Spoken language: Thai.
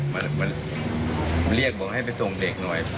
แบ่งเรียกให้ไปส่งเด็กหน่อย